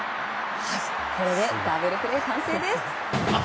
これでダブルプレー完成です。